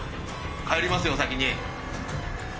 帰りますよ先に。